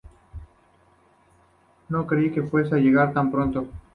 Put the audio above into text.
No creí que fuese a llegar tan pronto".